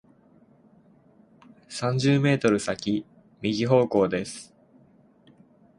三十メートル先、右方向です。